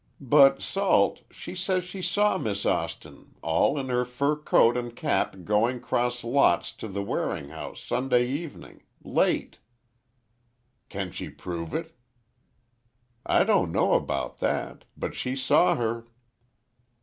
"But, Salt, she says she saw Miss Austin, all in her fur coat and cap going cross lots to the Waring house Sunday evening—late." "Can she prove it?" "I don't know about that. But she saw her."